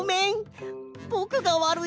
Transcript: ぼくがわるいんだ。